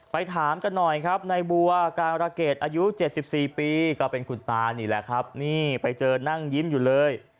ถามกันหน่อยครับในบัวการะเกดอายุ๗๔ปีก็เป็นคุณตานี่แหละครับนี่ไปเจอนั่งยิ้มอยู่เลย